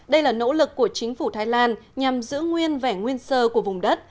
đây là nỗ lực của chính phủ thái lan nhằm giữ nguyên vẻ nguyên sơ của vùng đất